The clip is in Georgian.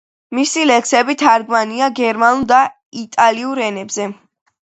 მისი ლექსები თარგმნილია გერმანულ და იტალიურ ენებზე.